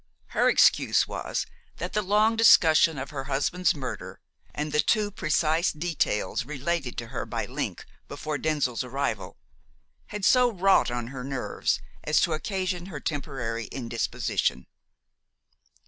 Her excuse was that the long discussion of her husband's murder, and the too precise details related to her by Link before Denzil's arrival, had so wrought on her nerves as to occasion her temporary indisposition.